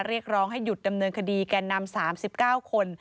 เรียกร้องให้หยุดดำเนินคดีแก่นำ๓๙คน